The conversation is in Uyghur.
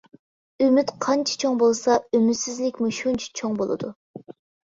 ئۈمىد قانچە چوڭ بولسا، ئۈمىدسىزلىكمۇ شۇنچە چوڭ بولىدۇ.